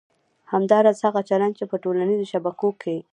همداراز هغه چلند چې په ټولنیزو شبکو کې